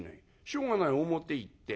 しょうがない表へ行って。